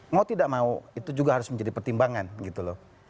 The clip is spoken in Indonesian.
mau tidak mau itu juga harus menjadi pertimbangan gitu loh